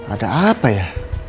ada apa ya